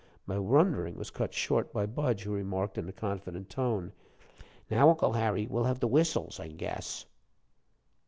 My wondering was cut short by Budge, who remarked, in a confident tone: "Now, Uncle Harry, we'll have the whistles, I guess."